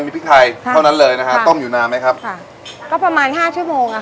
มีพริกไทยเท่านั้นเลยนะฮะต้มอยู่นานไหมครับค่ะก็ประมาณห้าชั่วโมงอ่ะ